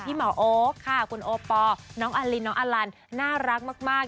หมอโอ๊คค่ะคุณโอปอลน้องอลินน้องอลันน่ารักมาก